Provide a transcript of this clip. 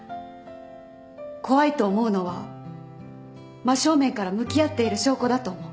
怖いと思うのは真正面から向き合っている証拠だと思う。